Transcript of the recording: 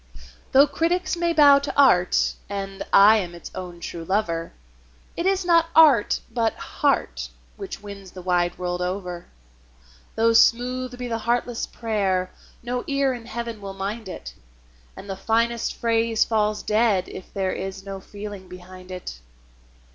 Though critics may bow to art, and I am its own true lover, It is not art, but heart, which wins the wide world over. Though smooth be the heartless prayer, no ear in Heaven will mind it, And the finest phrase falls dead if there is no feeling behind it.